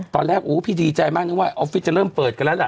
ตอนแรกโอ้พี่ดีใจมากนึกว่าออฟฟิศจะเริ่มเปิดกันแล้วล่ะ